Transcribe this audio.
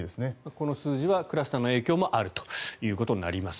この数字はクラスターの影響もあるということになります。